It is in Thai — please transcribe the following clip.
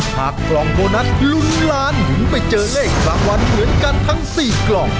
กล่องโบนัสลุ้นล้านถึงไปเจอเลขรางวัลเหมือนกันทั้ง๔กล่อง